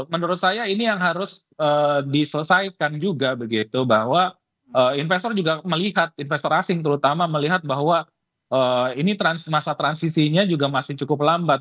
menurut saya ini yang harus diselesaikan juga begitu bahwa investor juga melihat investor asing terutama melihat bahwa ini masa transisinya juga masih cukup lambat